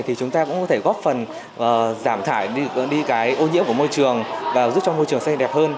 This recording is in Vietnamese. thì chúng ta cũng có thể góp phần giảm thải đi cái ô nhiễm của môi trường và giúp cho môi trường xanh đẹp hơn